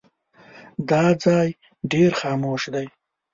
دا ځای ډېر خاموش دی.